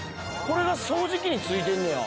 これが掃除機に付いてんねや。